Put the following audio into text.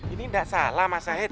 ini tidak salah mas sahid